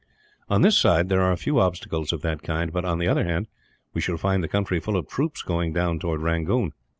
On this side there are few obstacles of that kind but, on the other hand, we shall find the country full of troops going down towards Rangoon.